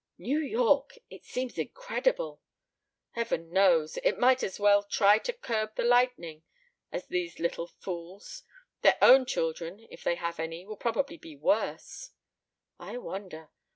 New York! It seems incredible." "Heaven knows. It might as well try to curb the lightning as these little fools. Their own children, if they have any, will probably be worse." "I wonder.